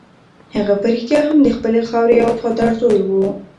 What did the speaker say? هغه په رښتیا هم د خپلې خاورې یو وفادار زوی و.